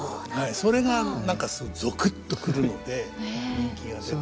それが何かすごくゾクッと来るので人気が出て。